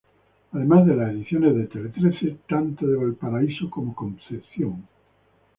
Además de las ediciones de "Teletrece" tanto de Valparaíso como Concepción.